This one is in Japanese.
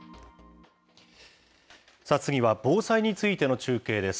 次は防災についての中継です。